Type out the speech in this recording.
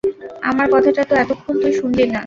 আমার কথাটা তো এতক্ষণ তুই শুনলি না।